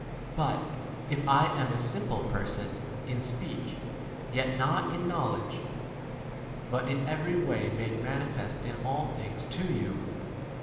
6 But if [I am] a simple 5 person in speech, yet not in knowledge, but in every way made manifest in all 7 things to you.